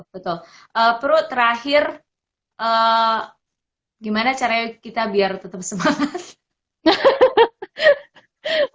betul pru terakhir gimana caranya kita biar tetap semangat